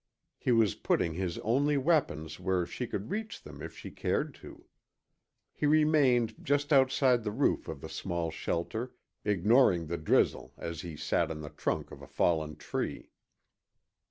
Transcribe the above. He was putting his only weapons where she could reach them if she cared to. He remained just outside the roof of the small shelter, ignoring the drizzle as he sat on the trunk of a fallen tree.